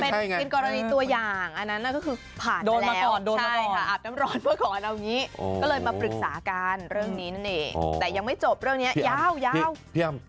แต่ยังไม่จบเรื่องนี้ยาวพี่อ้ำ